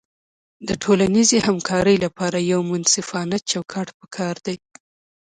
د ټولنیزې همکارۍ لپاره یو منصفانه چوکاټ پکار دی.